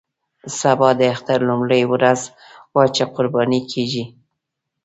سبا د اختر لومړۍ ورځ وه چې قرباني کېږي.